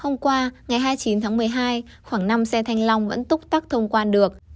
ngày hai mươi chín tháng một mươi hai khoảng năm xe thanh long vẫn túc tắc thông quan được